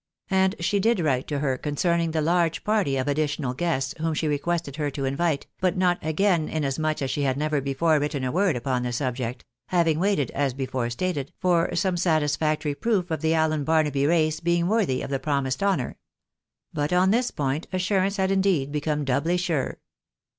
And she did write to her concerning the large party of additional guests whom she requested her to invite, but not again inasmuch as she had never before written a word upon the subject, having waited, as before stated, for some satisfactory proof of the Allen Barnaby race being worthy of the promised honour. But on this point assurance had indeed become doubly sure.